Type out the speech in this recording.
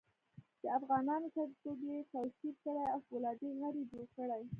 د افغانانو سړیتوب یې کوشیر کړی او فولادي غر یې جوړ کړی.